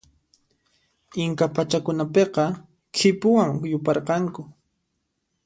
Inca pachakunapiqa khipuwan yuparqanku.